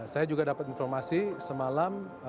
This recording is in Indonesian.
saya juga dapat informasi semalam